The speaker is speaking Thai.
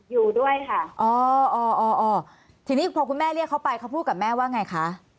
อยู่ด้วยค่ะอ๋ออ๋ออ๋อทีนี้พอคุณแม่เรียกเขาไปเขาพูดกับแม่ว่าไงคะ